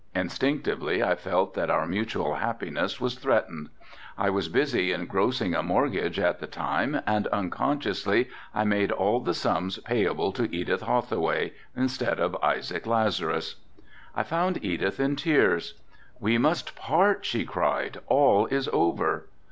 Instinctively I felt that our mutual happiness was threatened. I was busy engrossing a mortgage at the time and unconsciously I made all the sums payable to Edith Hauthaway, instead of Isaac Lazerus. I found Edith in tears. "We must part," she cried, "all is over."